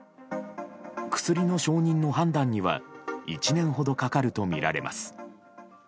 薬の承認の判断には１年ほどかかるとみられます。